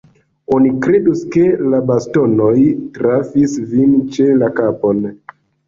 Oni kredus, ke la bastonoj trafis vin ĉe la kapon.